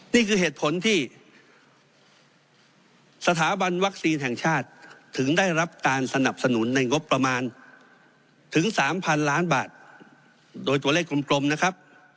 นี่คือเหตุผลที่สถาบันวัคซีนแห่งชาติถึงได้รับการสนับสนุนในงบประมาณถึง๓๐๐๐ล้านบาทโดยตัวเลขกลมนะครับ